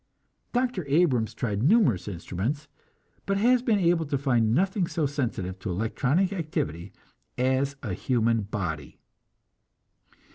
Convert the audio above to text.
Dr. Abrams tried numerous instruments, but has been able to find nothing so sensitive to electronic activity as a human body.